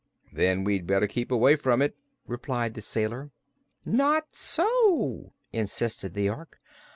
"Then we'd better keep away from it," replied the sailor. "Not so," insisted the Ork.